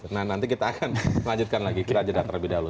nah nanti kita akan melanjutkan lagi kita datang lebih dahulu